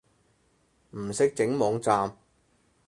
唔識整網站